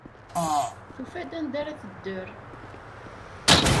Tufa-d anda ara tedder.